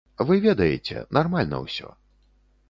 Вы ведаеце, нармальна ўсё.